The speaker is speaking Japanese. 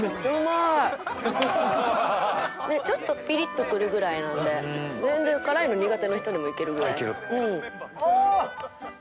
ちょっとピリッとくるぐらいなんで全然辛いの苦手な人でもいけるぐらいお！